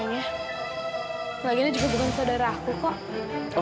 keluarganya juga bukan saudara aku kok